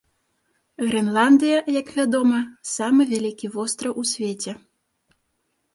Грэнландыя, як вядома, самы вялікі востраў у свеце.